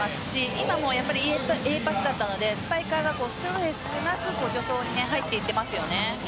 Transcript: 今のはＡパスだったのでスパイカーがストレスなく助走に入っています。